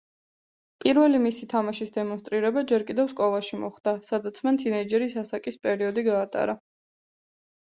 პირველი მისი თამაშის დემონსტრირება ჯერ კიდევ სკოლაში მოხდა, სადაც მან თინეიჯერის ასაკის პერიოდი გაატარა.